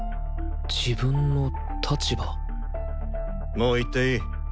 もう行っていい。